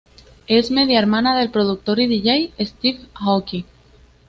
Es media hermana del productor y Dj Steve Aoki.